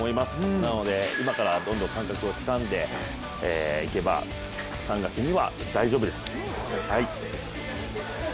なので今からどんどん感覚をつかんでいけば３月には大丈夫です。